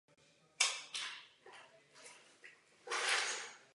Tento návrh však zachová stávající dvouúrovňový systém zdravotní péče.